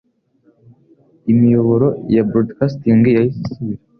Imiyoboro ya Broadcasting yahise isubira